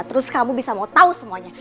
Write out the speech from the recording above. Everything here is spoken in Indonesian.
terus kamu bisa mau tahu semuanya